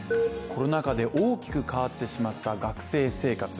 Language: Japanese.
コロナ禍で大きく変わってしまった学生生活。